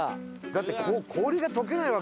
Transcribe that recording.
だって氷が解けないわけですからね。